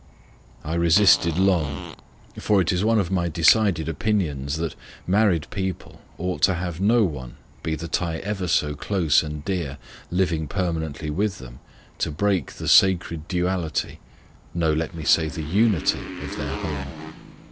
I resisted long: for it is one of my decided opinions that married people ought to have no one, be the tie ever so close and dear, living permanently with them, to break the sacred duality no, let me say the unity of their home.